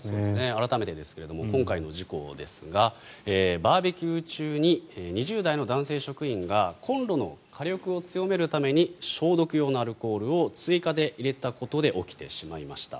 改めてですが今回の事故ですがバーベキュー中に２０代の男性職員がコンロの火力を強めるために消毒用のアルコールを追加で入れたことで起きてしまいました。